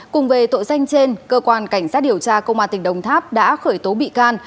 cùng về tội danh trên cơ quan cảnh sát điều tra công an tỉnh đồng tháp đã khởi tố bị can